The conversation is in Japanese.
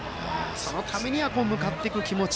そのためには向かっていく気持ち。